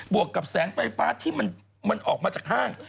วกกับแสงไฟฟ้าที่มันออกมาจากห้าง